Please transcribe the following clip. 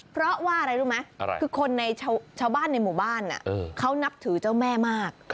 เพราะว่าอะไรรู้ไหมคือคนในชาวบ้านในหมู่บ้านเขานับถือเจ้าแม่มาก